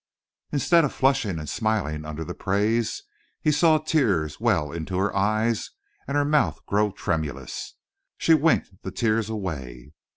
Instead of flushing and smiling under the praise, he saw tears well into her eyes and her mouth grow tremulous. She winked the tears away.